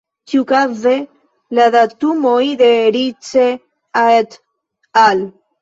Ĉiukaze, la datumoj de Rice "et al.